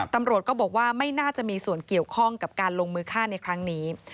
ตำรวจก็บอกว่าไม่น่าจะมีส่วนเกี่ยวข้องกับการลงมือฆ่าในครั้งนี้